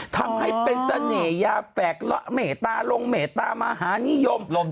ทำให้เป็นเสน่หยาแฝกละเมตตาลงเมตตามหานิยม